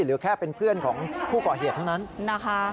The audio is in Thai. หรือแค่เป็นเพื่อนของผู้ก่อเหตุทั้งนั้น